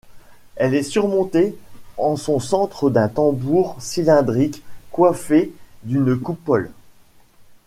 Elle est surmontée en son centre d'un tambour cylindrique coiffé d'une coupole.